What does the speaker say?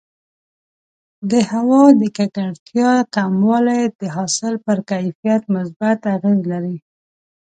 د هوا د ککړتیا کموالی د حاصل پر کیفیت مثبت اغېز لري.